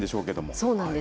そうなんです。